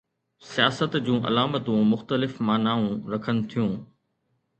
سياست جون علامتون مختلف معنائون رکن ٿيون.